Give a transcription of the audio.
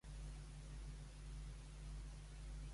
Doncs, durant quina altra època hi havia vida en aquesta ciutat?